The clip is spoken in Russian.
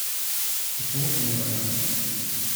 Почему же не надо?